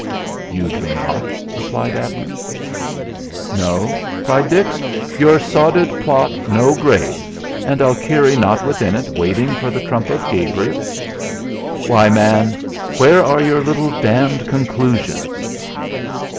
"You do not," replied Abner. "No!" cried Dix. "Your sodded plot no grave, and Alkire not within it waiting for the trump of Gabriel! Why, man, where are your little damned conclusions?"